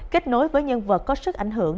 kết nối với nhân vật có sức ảnh hưởng